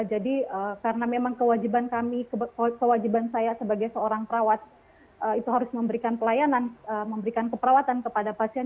jadi karena memang kewajiban kami kewajiban saya sebagai seorang perawat itu harus memberikan pelayanan memberikan keperawatan kepada pasien